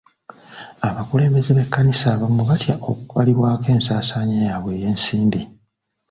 Abakulembeze b'ekkanisa abamu batya okubalibwako ensaasaanya yaabwe ey'ensimbi.